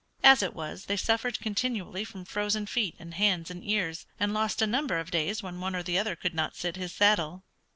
As it was they suffered continually from frozen feet and hands and ears, and lost a number of days when one or the other could not sit his saddle.